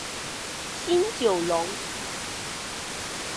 新九龙。